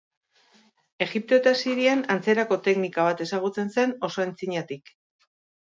Egipto eta Sirian, antzerako teknika bat ezagutzen zen oso antzinatik.